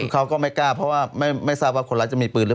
เค้าก็ไม่กล้าเพราะไม่ทราบว่าคนลักจะมีปืน